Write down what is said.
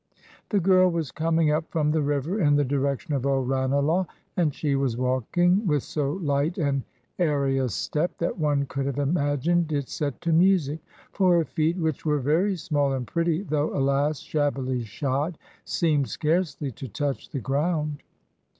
The girl was coming up from the river in the direction of old Ranelagh, and she was walking with so light and airy a step that one could have imagined it set to music for her feet, which were very small and pretty, though, alas! shabbily shod, seemed scarcely to touch the ground.